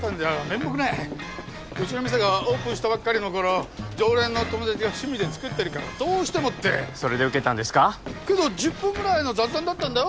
面目ないうちの店がオープンしたばっかりの頃常連の友達が趣味で作ってるからどうしてもってそれで受けたんですかけど１０分ぐらいの雑談だったんだ